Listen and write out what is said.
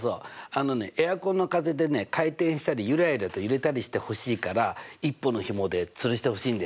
あのねエアコンの風でね回転したりユラユラと揺れたりしてほしいから１本のひもでつるしてほしいんだよね。